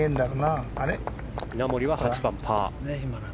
稲森は８番、パー。